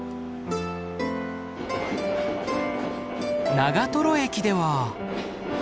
長駅では。